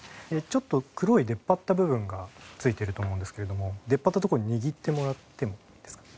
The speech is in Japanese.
ちょっと黒い出っ張った部分が付いてると思うんですけれども出っ張ったところ握ってもらってもいいですか？